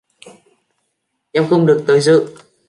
Em không được tới dự